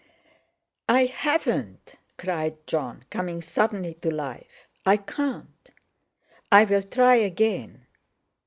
"I haven't," cried Jon, coming suddenly to life. "I can't. I'll try again."